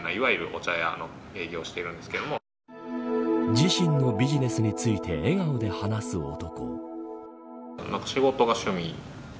自身のビジネスについて笑顔で話す男。